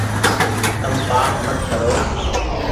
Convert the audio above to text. تم پآپ مت ڪرو